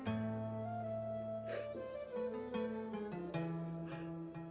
bantu keluarga hamba ya allah